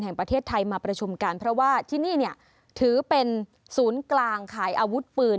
แห่งประเทศไทยมาประชุมกันเพราะว่าที่นี่เนี่ยถือเป็นศูนย์กลางขายอาวุธปืน